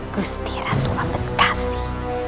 bustiratu mampet kasih